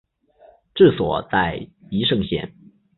治所在宜盛县。